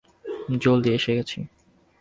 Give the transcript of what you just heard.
জলদি এসে গেছি।